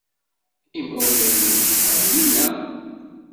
Imawlan-nnek ḥemmlen-aɣ.